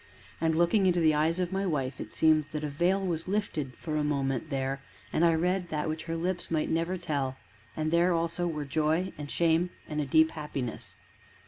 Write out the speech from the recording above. And looking into the eyes of my wife, it seemed that a veil was lifted, for a moment, there, and I read that which her lips might never tell; and there, also, were joy and shame and a deep happiness.